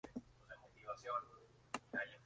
Su padre estuvo destinado por la Armada allí.